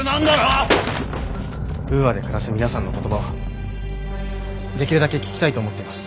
ウーアで暮らす皆さんの言葉はできるだけ聞きたいと思っています。